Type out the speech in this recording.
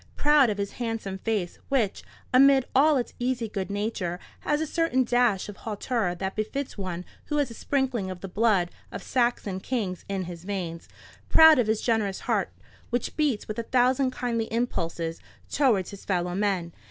—proud of his handsome face, which, amid all its easy good nature, has a certain dash of hauteur that befits one who has a sprinkling of the blood of Saxon kings in his veins; proud of his generous heart, which beats with a thousand kindly impulses towards his fellow men.